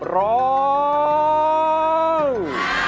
ร้อง